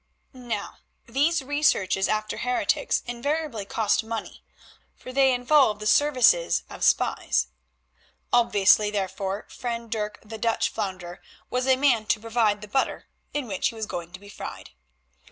Now, these researches after heretics invariably cost money, for they involved the services of spies. Obviously, therefore, friend Dirk, the Dutch Flounder, was a man to provide the butter in which he was going to be fried.